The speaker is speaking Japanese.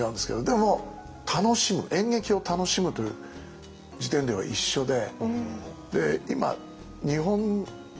でも楽しむ演劇を楽しむという時点では一緒で。